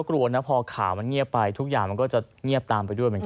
ส่วนพอข่าวมันเงียบไปทุกอย่างมันก็จะเงียบตามไปด้วย